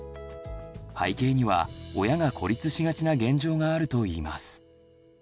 背景には親が孤立しがちな現状があるといいます。